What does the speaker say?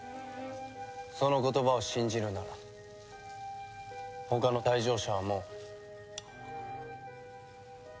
その言葉を信じるなら他の退場者はもう。